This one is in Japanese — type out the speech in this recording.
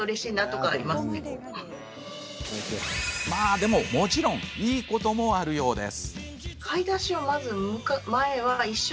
でも、もちろんいいこともあるようです。